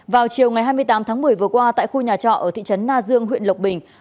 vào chiều ngày hai mươi tám tháng một mươi vừa qua tại khu nhà trọ ở thị trấn na dương huyện lộc bình